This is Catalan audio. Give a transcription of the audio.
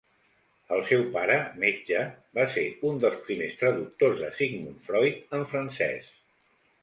El seu pare, metge, va ser un dels primers traductors de Sigmund Freud en francès.